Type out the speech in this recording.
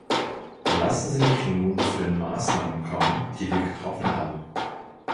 Lassen Sie mich nun zu den Maßnahmen kommen, die wir getroffen haben.